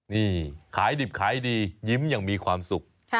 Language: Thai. นี่ขายดิบขายดียิ้มอย่างมีความสุข